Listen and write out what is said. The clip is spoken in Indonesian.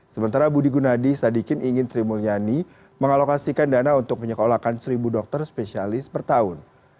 sementara budi gunadi sadikin ingin sri mulyani mengalokasikan dana untuk menyekolahkan seribu dokter spesialis per tahun